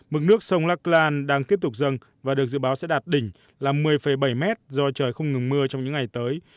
mực nước sông laklan đang tiếp tục dâng và được dự báo sẽ đạt đỉnh là một mươi bảy mét do trời không ngừng mưa trong những ngày tới